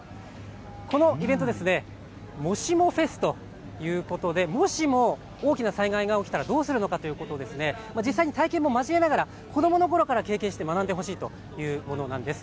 このイベントは「もしもＦＥＳ」ということでもしも大きな災害が起きたらどうするのかということを実際に体験も交えながら子どものころから経験して学んでほしいということなんです。